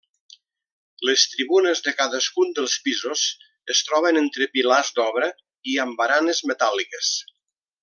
Les tribunes de cadascun dels pisos es troben entre pilars d'obra i amb baranes metàl·liques.